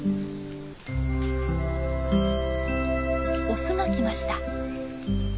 オスが来ました。